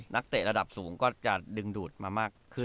เตะระดับสูงก็จะดึงดูดมามากขึ้น